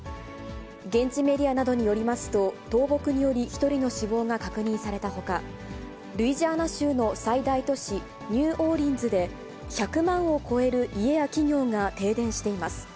現地メディアなどによりますと、倒木により、１人の死亡が確認されたほか、ルイジアナ州の最大都市ニューオーリンズで、１００万を超える家や企業が停電しています。